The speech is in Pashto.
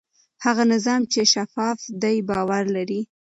هغه نظام چې شفاف دی باور لري.